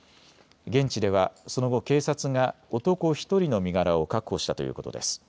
現地ではその後、警察が男１人の身柄を確保したということです。